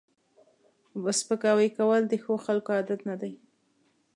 سپکاوی کول د ښو خلکو عادت نه دی